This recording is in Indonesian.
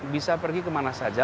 bisa pergi kemana saja